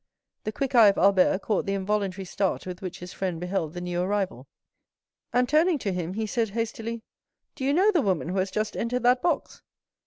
The quick eye of Albert caught the involuntary start with which his friend beheld the new arrival, and, turning to him, he said hastily: "Do you know the woman who has just entered that box?"